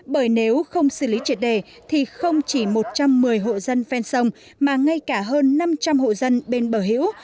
bởi nếu không xử lý triệt đề thì không chỉ một trăm một mươi hộ dân phen sông mà ngay cả hơn năm trăm linh hộ dân bên bờ hữu